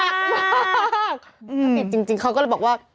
ถ้าติดจริงเขาก็เลยบอกว่า